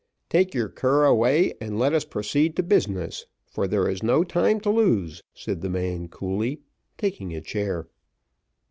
"Take your cur away, and let us proceed to business, for there is no time to lose," said the man coolly, taking a chair.